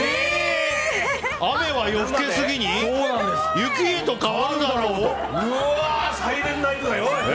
雨は夜更け過ぎに雪へと変わるだろう？